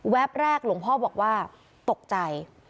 แรกหลวงพ่อบอกว่าตกใจ